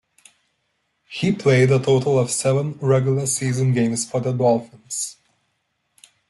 He played a total of seven regular season games for the Dolphins.